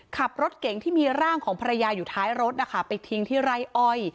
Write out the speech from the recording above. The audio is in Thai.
ขับรถเก่งที่มีร่างของภรรยาอยู่ท้ายรถนะคะไปทิ้งที่ไร่อ้อย